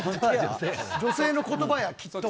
女性のことばや、きっと。